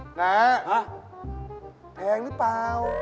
นะฮะแพงหรือเปล่า